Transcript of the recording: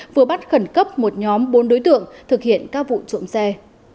vừa bắt khẩn cấp một nhóm bốn đối tượng thực hiện các vụ trộm xe